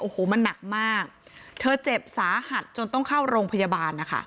โอ้โหมันหนักมากเธอเจ็บสาหัสจนต้องเข้าโรงพยาบาลนะคะ